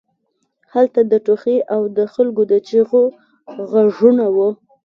هلته د ټوخي او د خلکو د چیغو غږونه وو